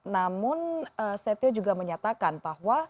namun setiawasisto juga menyatakan bahwa perbakin